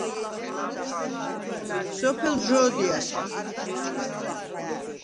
სოფელ ჯო̄დიას ხა̄რ.